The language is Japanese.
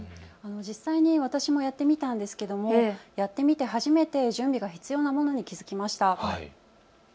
実際に私もやってみたんですけれども、やってみて初めて準備が必要なものに気付きました。